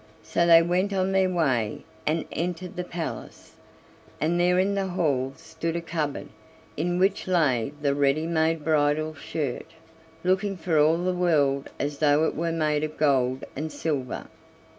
So they went on their way and entered the palace, and there in the hall stood a cupboard in which lay the ready made bridal shirt, looking for all the world as though it were made of gold and silver.